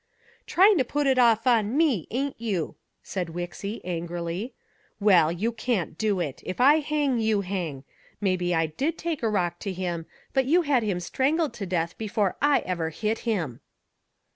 "Tryin' to put it off on me, ain't you!" said Wixy angrily. "Well, you can't do it. If I hang, you hang. Maybe I did take a rock to him, but you had him strangled to death before I ever hit him."